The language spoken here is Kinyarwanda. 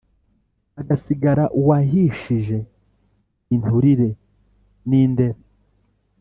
hagasigara uwahishije inturire n' indera :